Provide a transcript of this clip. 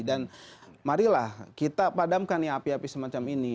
dan marilah kita padamkan api api semacam ini